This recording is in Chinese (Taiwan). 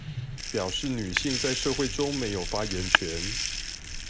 表示女性在社會中沒有發言權